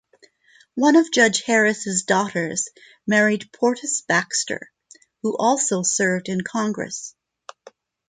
One of Judge Harris's daughters married Portus Baxter, who also served in Congress.